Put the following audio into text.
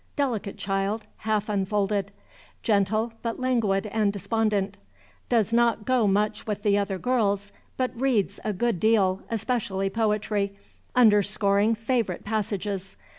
Delicate child, half unfolded. Gentle, but languid and despondent. Does not go much with the other girls, but reads a good deal, especially poetry, underscoring favorite passages.